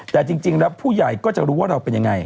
แต่จริงแล้วผู้ใหญ่ก็จะรู้ว่าเราเป็นยังไง